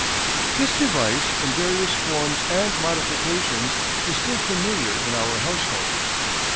This device in various forms and modifications is still familiar in our households.